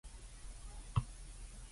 升就追，跌就溝，出糧就入貨